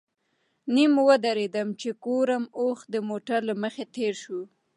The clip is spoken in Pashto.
نیم ودرېدم چې ګورم اوښ د موټر له مخې تېر شو.